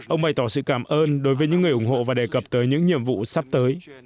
ông bày tỏ sự cảm ơn đối với những người ủng hộ và đề cập tới những nhiệm vụ sắp tới